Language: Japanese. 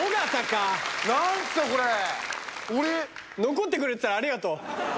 残ってくれててありがとう。